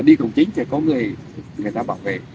đi cùng chính thì có người người ta bảo vệ